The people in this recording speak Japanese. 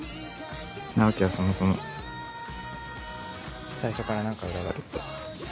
直樹はそもそも最初から何か裏があるって。